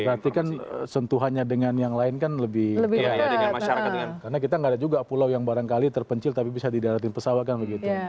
berarti kan sentuhannya dengan yang lain kan lebih karena kita nggak ada juga pulau yang barangkali terpencil tapi bisa didaratin pesawat kan begitu